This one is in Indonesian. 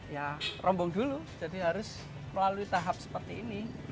ya rombong dulu jadi harus melalui tahap seperti ini